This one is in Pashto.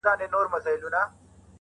سر تر نوکه وو خالق ښکلی جوړ کړی -